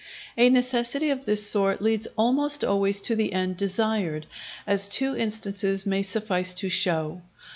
A necessity of this sort leads almost always to the end desired, as two instances may suffice to show.